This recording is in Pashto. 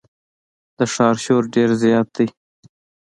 د ښار شور ډېر زیات دی.